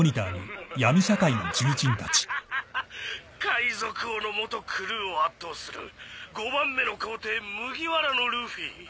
海賊王の元クルーを圧倒する５番目の皇帝麦わらのルフィ。